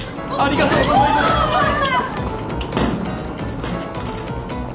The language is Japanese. ありがとうございますあっ